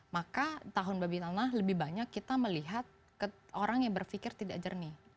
maka tahun babi tanah lebih banyak kita melihat orang yang berpikir tidak jernih